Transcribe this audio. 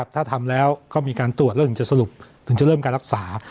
ถ้าทำแล้วก็มีการตรวจแล้วถึงจะสรุปถึงจะเริ่มการรักษา